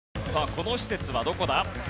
この施設はどこだ？